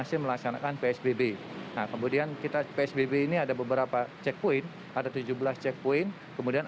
lima satu ini berada